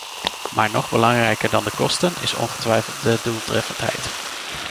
Maar nog belangrijker dan de kosten is ongetwijfeld de doeltreffendheid.